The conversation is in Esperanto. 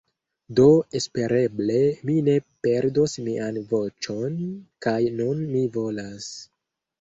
Do espereble mi ne perdos mian voĉon kaj nun mi volas...